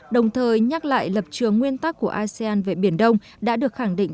đồng thời nhắc lại lập trường nguyên tắc của asean về biển đông đã được khẳng định